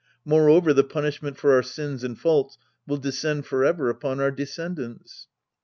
Moreover, the punishment for our sins and faults will descend forever upon our de scendants.